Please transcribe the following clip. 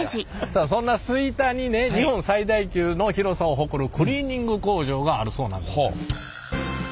さあそんな吹田にね日本最大級の広さを誇るクリーニング工場があるそうなんでございます。